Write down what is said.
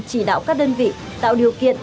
chỉ đạo các đơn vị tạo điều kiện